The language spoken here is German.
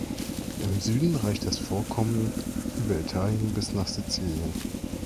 Im Süden reicht das Vorkommen über Italien bis nach Sizilien.